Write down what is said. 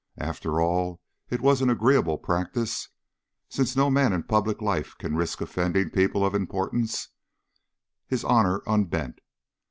After all, it was an agreeable practice. Since no man in public life can risk offending people of importance, His Honor unbent.